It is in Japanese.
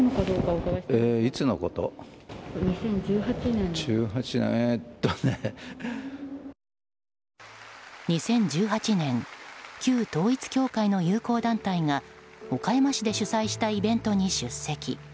２０１８年旧統一教会の友好団体が岡山市で主催したイベントに出席。